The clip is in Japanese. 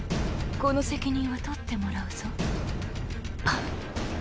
この責任は取ってもらうぞバン。